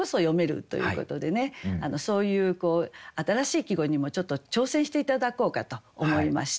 そういう新しい季語にもちょっと挑戦して頂こうかと思いました。